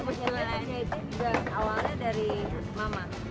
aku cinta cinta juga awalnya dari mama